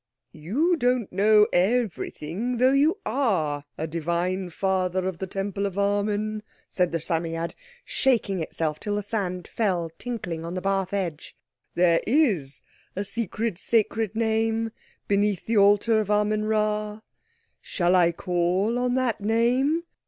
"You don't know everything, though you are a Divine Father of the Temple of Amen," said the Psammead shaking itself till the sand fell tinkling on the bath edge. "There is a secret, sacred name beneath the altar of Amen Rā. Shall I call on that name?"